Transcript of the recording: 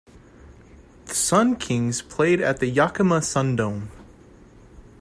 The Sun Kings played at the Yakima SunDome.